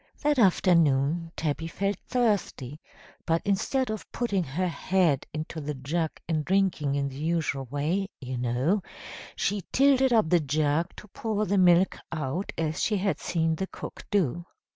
That afternoon Tabby felt thirsty, but instead of putting her head into the jug and drinking in the usual way, you know she tilted up the jug to pour the milk out as she had seen the cook do.